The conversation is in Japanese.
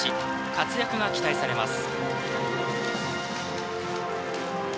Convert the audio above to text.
活躍が期待されます。